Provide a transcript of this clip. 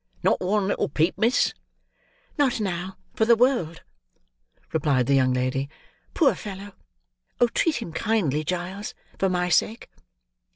"Not one little peep, miss?" "Not now, for the world," replied the young lady. "Poor fellow! Oh! treat him kindly, Giles for my sake!"